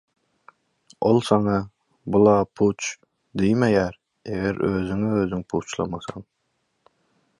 Ol saňa «Bu-la puç!» diýmeýär, eger özüňözüňi puçlamasaň.